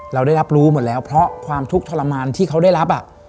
เราได้รับรู้หมดแล้วเพราะความทุกข์ทรมานที่เขาได้รับ